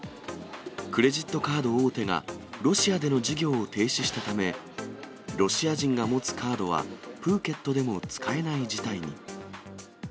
クレジットカード大手が、ロシアでの事業を停止したため、ロシア人が持つカードは、プーケットでも使えない事態に。